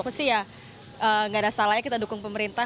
pasti ya nggak ada salahnya kita dukung pemerintah